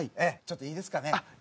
ちょっといいですかね。